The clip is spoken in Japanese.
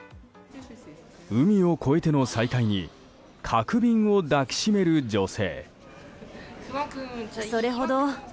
海を越えての再会に角瓶を抱きしめる女性。